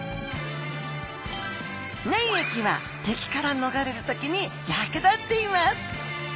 粘液は敵から逃れる時に役立っています。